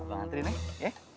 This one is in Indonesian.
aku nganterin ya ya